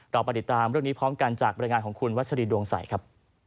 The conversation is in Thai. เรามาติดตามเรื่องนี้พร้อมกันจากบริษัทของคุณวัชฎีดวงสัยครับ